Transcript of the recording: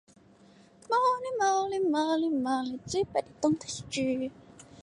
自然将一个随机变量赋予每个参与者。